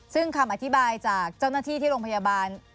ซึ่งคำอธิบายจากเจ้าหน้าที่ที่โรงพยาบาล